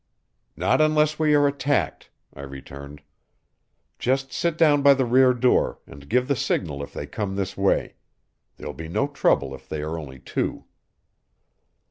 "Not unless we are attacked," I returned. "Just sit down by the rear door and give the signal if they come this way. There'll be no trouble if they are only two."